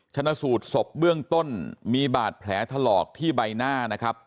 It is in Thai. ชนะสูตรศพเบื้องต้นมีบาดแผลถลอกที่ใบหน้านะครับ